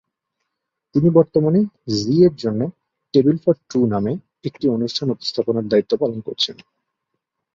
তিনি বর্তমানে জি-এর জন্য "টেবিল ফর টু নামে" একটি অনুষ্ঠানে উপস্থাপনার দায়িত্ব পালন করছেন।